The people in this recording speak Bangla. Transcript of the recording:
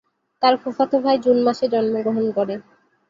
তার ফুফাতো ভাই জুন মাসে জন্মগ্রহণ করে।